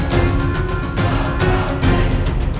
kami alami oy